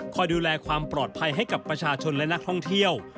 ดูแลความปลอดภัยให้กับประชาชนและนักท่องเที่ยว